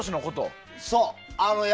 そう。